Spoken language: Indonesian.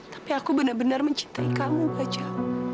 tapi aku benar benar mencintai kamu gajah